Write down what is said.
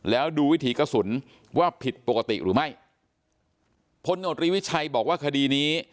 แล้วดูวิถีกระสุนว่าผิดปกติหรือไม่พลโนตรีวิชัยบอกว่าคดีนี้